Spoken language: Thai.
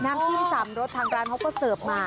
น้ำจิ้มสามรสทางร้านเขาก็เสิร์ฟมา